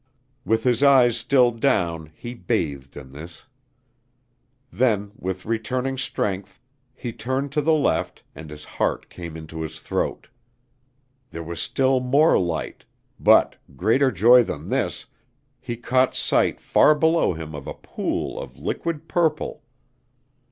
With his eyes still down he bathed in this. Then, with returning strength, he turned to the left and his heart came into his throat. There was still more light; but, greater joy than this, he caught sight far below him of a pool of liquid purple.